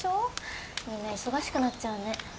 みんな忙しくなっちゃうね。